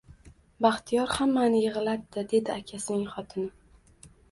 Baxtiyor hammani yigʻlatdi, dedi akasining xotini